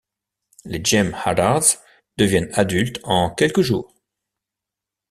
Les Jem'hadars deviennent adulte en quelques jours.